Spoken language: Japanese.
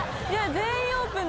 「全員オープン」